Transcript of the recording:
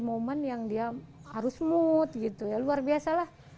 momen yang dia harus lood gitu ya luar biasa lah